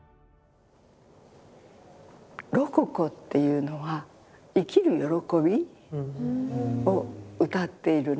ロココっていうのは生きる喜びをうたっているなぁと。